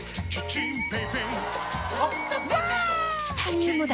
チタニウムだ！